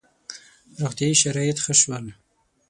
• روغتیايي شرایط ښه شول.